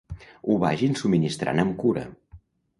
Ho vagin subministrant amb cura.